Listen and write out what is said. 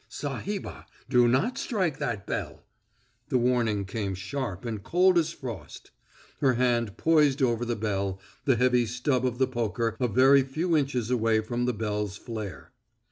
"Sahibah! Do not strike that bell!" The warning came sharp and cold as frost. Her hand was poised over the bell, the heavy stub of the poker a very few inches away from the bell's flare.